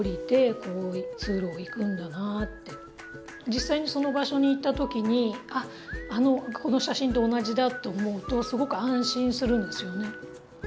実際にその場所に行った時に「あっこの写真と同じだ」って思うとすごく安心するんですよね。